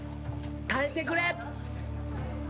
耐えてくれ！